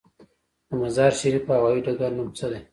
د مزار شریف هوايي ډګر نوم څه دی؟